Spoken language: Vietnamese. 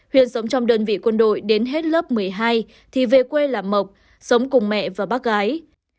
huyện sống trong đơn vị quân đội đến hết lớp một mươi hai thì về quê làm mộc sống cùng mẹ và bác gái